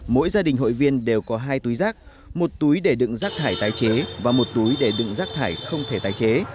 mỗi gia đình hội viên đều có hai túi rác một túi để đựng rác thải tái chế và một túi để đựng rác thải không thể tái chế